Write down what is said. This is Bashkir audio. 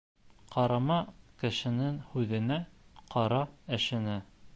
Ҡарама кешенең һүҙенә, ҡара эшенә.